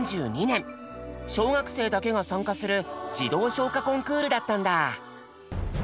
小学生だけが参加する「児童唱歌コンクール」だったんだ。